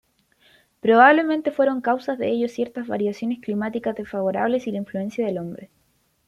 Probablemente fueron causas de ello ciertas variaciones climáticas desfavorables y la influencia del hombre.